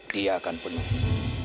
dia akan penuhi